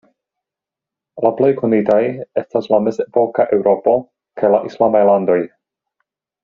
La plej konitaj estas la mezepoka Eŭropo, kaj la islamaj landoj.